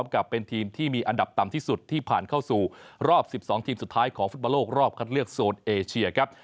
กับเป็นทีมที่มีอันดับต่ำที่สุดที่ผ่านเข้าสู่รอบ๑๒ทีมสุดท้ายของฟุตบอลโลกรอบคัดเลือกโซนเอเชียครับ